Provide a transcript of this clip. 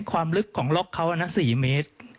ความลึกของล็อกเค้านะ๔เมตร